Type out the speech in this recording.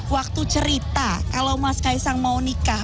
waktu cerita kalau mas kaisang mau nikah